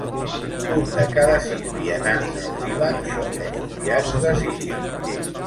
Un de cada sis vianants al Líban són refugiats de Síria.